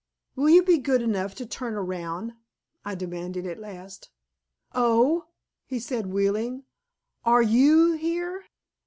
"Will you be good enough to turn around?" I demanded at last. "Oh!" he said wheeling. "Are YOU here?"